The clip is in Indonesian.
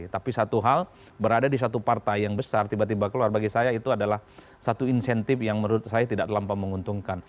tapi satu hal berada di satu partai yang besar tiba tiba keluar bagi saya itu adalah satu insentif yang menurut saya tidak terlampau menguntungkan